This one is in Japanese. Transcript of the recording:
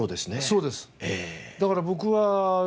そうです。